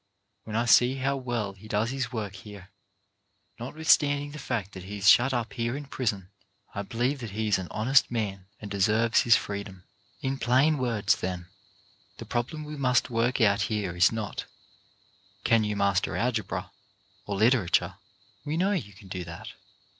When I see how well he does his work here, notwithstanding the fact that he is shut up here in prison, I believe that he is an honest man and deserves his freedom." In plain words, then, the problem we must work out here is not :— Can you master algebra, or litera ture ? We know you can do that.